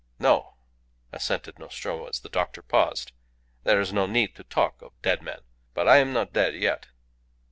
"No," assented Nostromo, as the doctor paused, "there is no need to talk of dead men. But I am not dead yet."